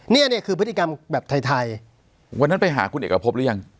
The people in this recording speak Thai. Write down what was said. เนี่ยนี่คือพฤติกรรมแบบไทยวันนั้นไปหาคุณเอกพบหรือยัง